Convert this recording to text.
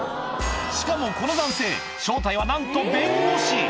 しかもこの男性正体はなんと弁護士！